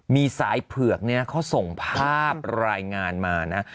มีสายเผือกเนี่ยเขาส่งภาพรายงานมานะ